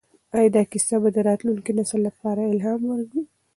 ایا دا کیسه به د راتلونکي نسل لپاره الهام وي؟